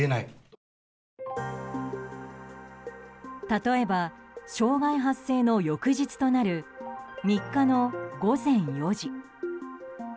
例えば、障害発生の翌日となる３日の午前４時。